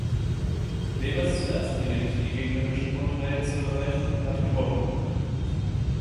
Wem es zuerst gelingt, die gegnerische Grundreihe zu erreichen, hat gewonnen.